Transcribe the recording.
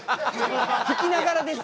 弾きながらですか？